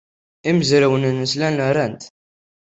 Imezrawen-nnes llan ran-t.